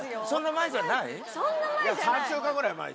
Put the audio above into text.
そんな前じゃない？